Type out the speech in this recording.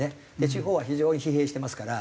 地方は非常に疲弊してますから。